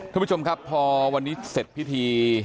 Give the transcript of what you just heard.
ท่านผู้ชมครับพอวันนี้เสร็จพิธี